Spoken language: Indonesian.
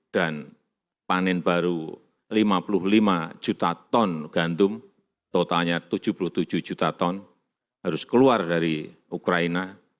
dan panen baru lima puluh lima juta ton gandum totalnya tujuh puluh tujuh juta ton harus keluar dari ukraina